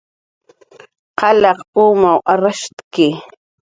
Qalqa mayuw arrashtki